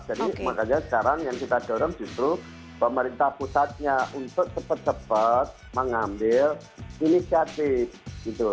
jadi makanya sekarang yang kita dorong justru pemerintah pusatnya untuk cepat cepat mengambil inisiatif gitu